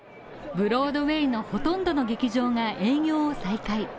ブロードウェイのほとんどの劇場が営業を再開。